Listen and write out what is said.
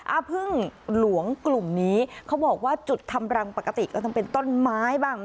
พึ่งหลวงกลุ่มนี้เขาบอกว่าจุดทำรังปกติก็ต้องเป็นต้นไม้บ้าง